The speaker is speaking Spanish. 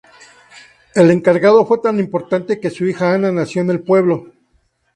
El encargo fue tan importante que su hija Ana nació en el pueblo.